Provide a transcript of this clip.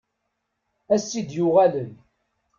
Ass i d-yuɣalen.